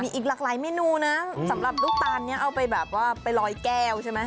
อีกหลากหลายเมนูนะสำหรับลูกตาลนี้เอาไปแบบว่าไปลอยแก้วใช่ไหม